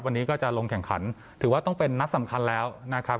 วันนี้ก็จะลงแข่งขันถือว่าต้องเป็นนัดสำคัญแล้วนะครับ